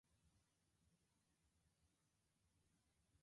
Sepals are quite thick and do not overlap.